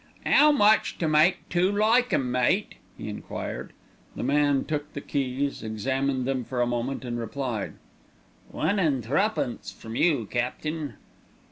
"'Ow much to make two like 'em, mate?" he enquired. The man took the keys, examined them for a moment, and replied: "One an' thruppence from you, capt'in."